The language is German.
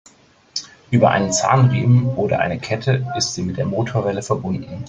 Über einen Zahnriemen oder eine Kette ist sie mit der Motorwelle verbunden.